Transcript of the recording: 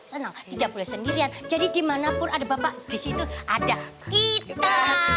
harus bikin bapak senang tidak boleh sendirian jadi dimanapun ada bapak disitu ada kita